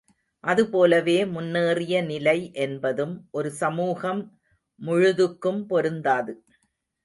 அது போலவே முன்னேறிய நிலை என்பதும் ஒரு சமூகம் முழுதுக்கும் பொருந்தாது.